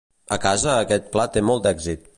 A casa aquest plat té molt èxit!